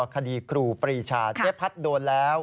คดีครูปรีชาเจ๊พัดโดนแล้ว